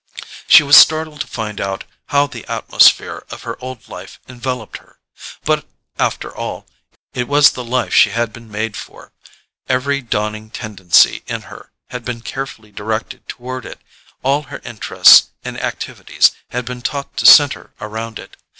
She was startled to find how the atmosphere of her old life enveloped her. But, after all, it was the life she had been made for: every dawning tendency in her had been carefully directed toward it, all her interests and activities had been taught to centre around it.